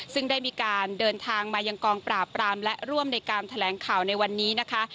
ซึ่งได้มีการเดินทางมายังกองปราบปรามและร่วมในการแถลงข่าวในวันนี้นะคะ